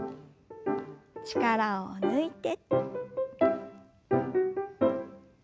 力を抜いて。